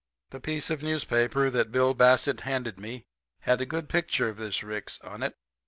"The piece of newspaper that Bill Bassett handed me had a good picture of this Ricks on it.